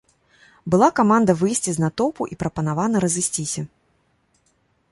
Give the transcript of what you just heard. Была каманда выйсці з натоўпу і прапанавана разысціся.